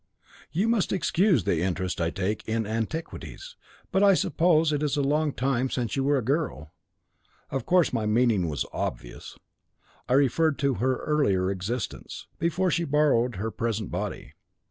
'You must excuse the interest I take in antiquities, but I suppose it is a long time since you were a girl.' Of course, my meaning was obvious; I referred to her earlier existence, before she borrowed her present body.